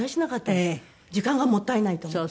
時間がもったいないと思って。